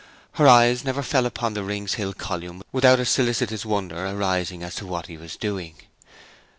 Her eyes never fell upon the Rings Hill column without a solicitous wonder arising as to what he was doing.